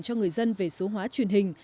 cho người dân về số hóa truyền hình